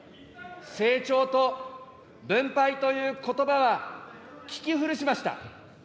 成長と分配ということばは聞き古しました。